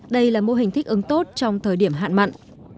đây là mô hình thích ứng tốt trong thời điểm hạn mặn